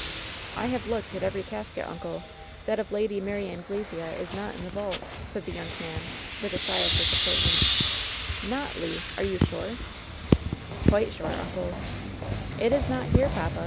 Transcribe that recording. "I have looked at every casket, uncle I That of Lady Mary Anglesea is not in the vault,^* said the young man, with a sigh of disappointment "Not, Le I Are you sure V^ 826 LOVE'S BITTEREST CUP "Quite sure, uncle/' "It i8 not here, papa!